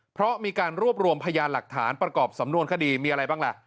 เพราะมีการรวบรวมพยานหลักฐานประกอบสำนวนคดีมีอะไรบ้างล่ะ